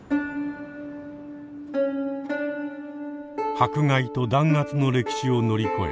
迫害と弾圧の歴史を乗り越え